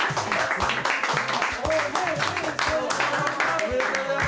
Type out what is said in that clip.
おめでとうございます。